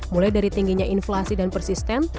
mulai dari tingginya inflasi dan persisten